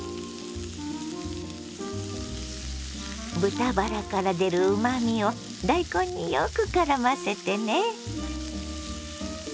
豚バラから出るうまみを大根によくからませてね。